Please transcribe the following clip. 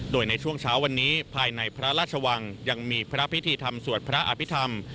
โดยในช่วงเช้าวันนี้ภายในพระราชวังยังมีพระพิธีธรรมสวดพระอภิษฐรรม